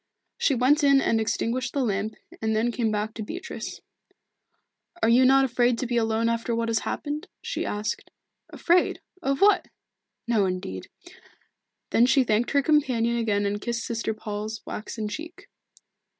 She went in and extinguished the lamp, and then came back to Beatrice. "Are you not afraid to be alone after what has happened?" she asked. "Afraid? Of what? No, indeed." Then she thanked her companion again and kissed Sister Paul's waxen cheek.